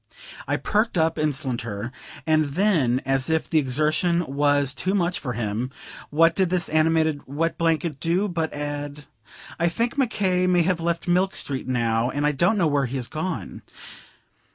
I perked up instanter, and then, as if the exertion was too much for him, what did this animated wet blanket do but add "I think Mc K. may have left Milk Street, now, and I don't know where he has gone."